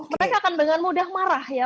mereka akan dengan mudah marah ya